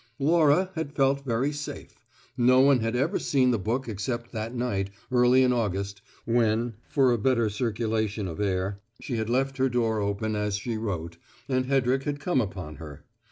Laura had felt very safe. No one had ever seen the book except that night, early in August, when, for a better circulation of air, she had left her door open as she wrote, and Hedrick had come upon her.